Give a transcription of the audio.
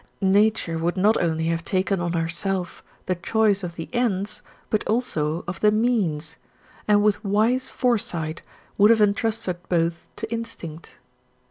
Nature would not only have taken on herself the choice of the ends, but also of the means, and with wise foresight would have entrusted both to instinct.